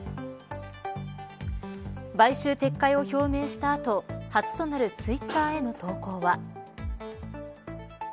買収撤回を表明した後初となるツイッターへの投稿は。